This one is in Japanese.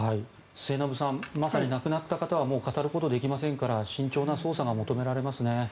末延さんまさに亡くなった方はもう語ることができませんから慎重な捜査が求められますね。